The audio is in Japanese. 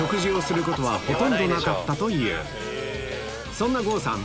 そんな郷さん